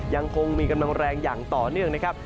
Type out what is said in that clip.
ยังคงมีกำลังแรงอย่างต่อเนื่องนะครับ